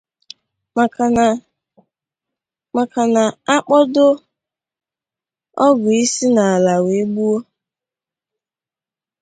maka na a kpodo ọgụ isi n'ala wee gbuo